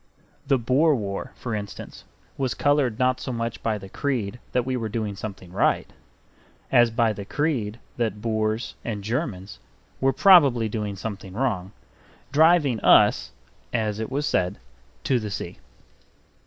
The Boer War, for instance, was colored not so much by the creed that we were doing something right, as by the creed that Boers and Germans were probably doing something wrong; driving us (as it was said) to the sea.